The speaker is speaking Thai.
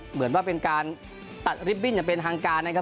เหมือนว่าเป็นการตัดริบที่เป็นทางการนะครับ